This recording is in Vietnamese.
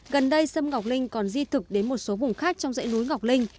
gần đây sâm ngọc linh còn di thực đến một số vùng khác trong dãy núi ngọc linh